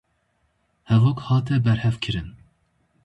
Hevok hate berhevkirin